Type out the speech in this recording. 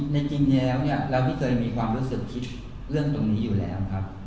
จริงแล้วเนี่ยเราไม่เคยมีความรู้สึกคิดเรื่องตรงนี้อยู่แล้วครับ